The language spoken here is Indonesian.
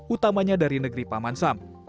utamanya dari negeri paman sam